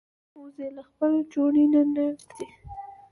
وزې له خپل چوڼي نه نه تښتي